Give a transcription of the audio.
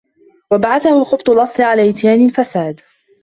وَبَعَثَهُ خُبْثُ الْأَصْلِ عَلَى إتْيَانِ الْفَسَادِ